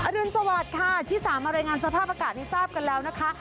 รุนสวัสดิ์ค่ะที่สามมารายงานสภาพอากาศให้ทราบกันแล้วนะคะ